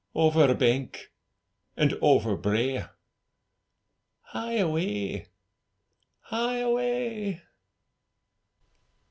Over bank and over brae, Hie away, hie away!